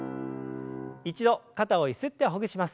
一度肩をゆすってほぐします。